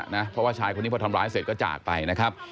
เพราะว่าชายคนนี้พอทำร้ายเสร็จก็จากไปนะครับ